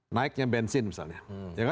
naiknya bensin misalnya